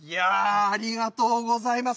ありがとうございます。